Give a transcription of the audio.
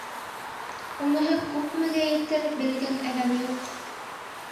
Уныһы күпмегә етер, белгән әҙәм юҡ.